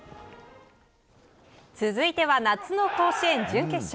続いては夏の甲子園準決勝。